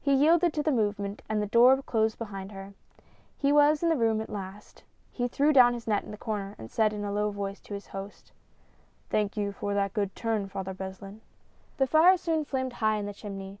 He yielded to the movement and the door closed behind her. He was in the room at last. He threw down his net in the corner and said in a low voice to his host : 32 A FISH SUPPER. " Thank you for that good turn, Father Beslin." ' The fire soon flamed high in the chimney.